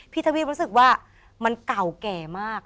ทวีปรู้สึกว่ามันเก่าแก่มาก